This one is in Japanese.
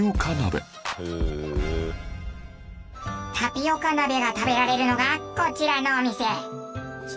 タピオカ鍋が食べられるのがこちらのお店。